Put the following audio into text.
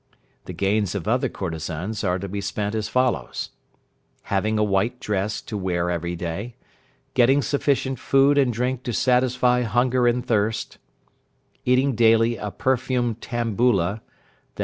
The gains of other courtesans are to be spent as follows: Having a white dress to wear every day; getting sufficient food and drink to satisfy hunger and thirst; eating daily a perfumed Tambula, _i.